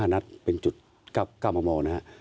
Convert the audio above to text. ๑๕นัดเป็นจุดกล้ามอมอลนะครับ